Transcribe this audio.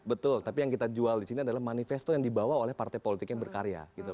betul tapi yang kita jual disini adalah manifesto yang dibawa oleh partai politiknya berkarya